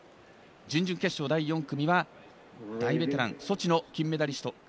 準々決勝第４組は大ベテラン、ソチの金メダリスト